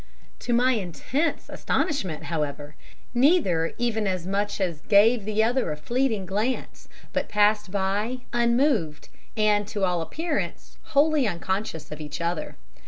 "To my intense astonishment, however, neither even as much as gave the other a fleeting glance, but passed by unmoved, and, to all appearance, wholly unconscious of each other.